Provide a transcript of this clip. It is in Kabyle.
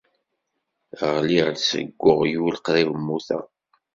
Ɣliɣ-d seg uɣyul qrib mmuteɣ.